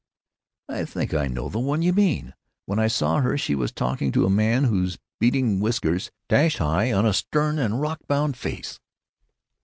"I think I know the one you mean. When I saw her she was talking to a man whose beating whiskers dashed high on a stern and rock bound face....